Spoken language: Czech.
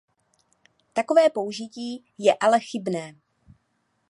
Takové použití je ale chybné.